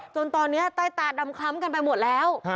จนตอนนี้ใต้ตาดำคล้ำกันไปหมดแล้ว